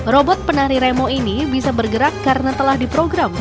robot penari remo ini bisa bergerak karena telah diprogram